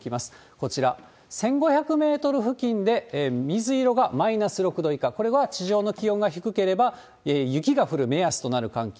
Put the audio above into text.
こちら、１５００メートル付近で水色がマイナス６度以下、これは地上の気温が低ければ雪が降る目安となる寒気。